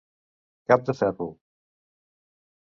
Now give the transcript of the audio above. Cap de ferro.